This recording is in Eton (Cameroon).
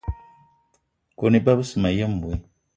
Kone iba besse mayen woe.